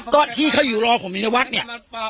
ก็ที่เขาอยู่รอผมอยู่ในวัดเนี่ย